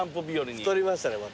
太りましたねまたね。